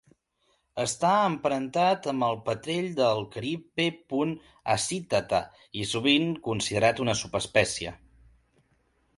Està emparentat amb el petrell del carib "P. hasitata", i sovint considerat una subespècie.